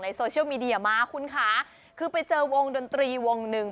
โซเชียลมีเดียมาคุณค่ะคือไปเจอวงดนตรีวงหนึ่ง